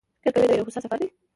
فکر کوي دا یو هوسا سفر دی.